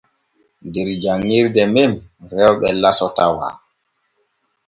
Der janŋirde men rewɓe laso tawa.